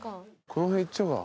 この辺いっちゃうか。